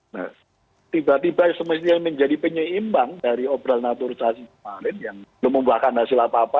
nah tiba tiba semestinya menjadi penyeimbang dari obral naturalisasi kemarin yang belum membuahkan hasil apa apa